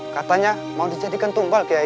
katanya mau dijadikan tumbal kai